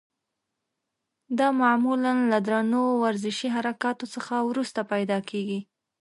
دا معمولا له درنو ورزشي حرکاتو څخه وروسته پیدا کېږي.